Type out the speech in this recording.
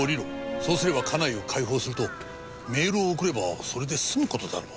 そうすれば家内を解放する」とメールを送ればそれで済む事だろう。